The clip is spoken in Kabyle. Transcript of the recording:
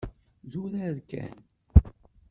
D urar kan.